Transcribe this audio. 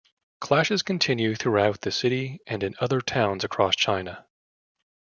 Clashes continued throughout the city and in other towns across China.